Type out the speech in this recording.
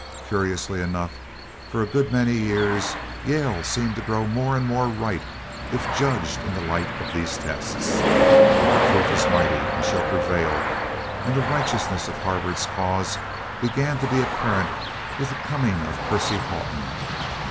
Curiously enough, for a good many years Yale seemed to grow more and more right if judged in the light of these tests. But the truth is mighty and shall prevail and the righteousness of Harvard's cause began to be apparent with the coming of Percy Haughton.